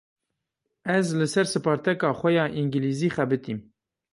Ez li ser sparteka xwe ya îngilîzî xebitîm.